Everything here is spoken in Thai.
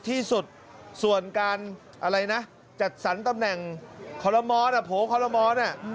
ที่สุดส่วนการอะไรนะจัดสรรตำแหน่งคอลโมน่ะโผล่คอลโลมอลน่ะ